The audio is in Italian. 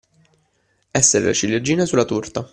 Essere la ciliegina sulla torta.